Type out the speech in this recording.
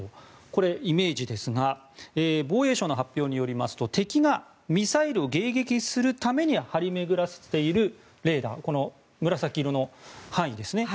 これはイメージですが防衛省の発表によりますと敵がミサイルを迎撃するために張り巡らせているレーダー紫色の範囲ですね。